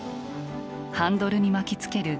ハンドルに巻きつける